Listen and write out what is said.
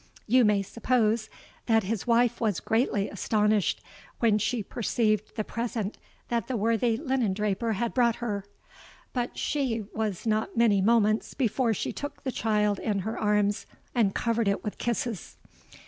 You may suppose that his wife was greatly astonished when she perceived the present that the worthy linen draper had brought her: but she was not many moments before she took the child in her arms, and covered it with kisses.